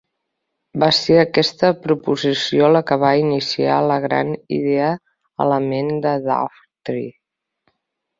Va ser aquesta proposició la que va iniciar la gran idea a la ment de Daughtry.